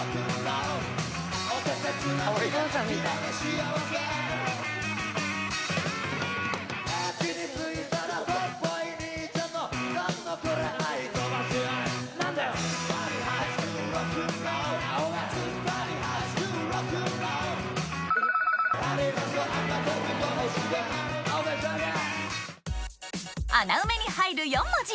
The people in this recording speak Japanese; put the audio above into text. ＯＫ穴埋めに入る４文字！